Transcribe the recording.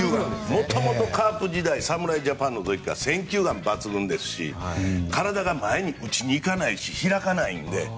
もともとカープ時代侍ジャパンの時に選球眼が抜群ですから体が前に打ちにいかないし開かないので。